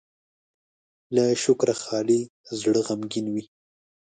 له شکره خالي زړه غمګين وي.